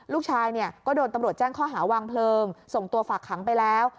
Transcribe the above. ลูกชายเนี่ยก็โดนตำรวจแจ้งข้อหาวางเพลิงส่งตัวฝากขังไปแล้ว